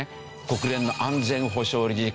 国連の安全保障理事会。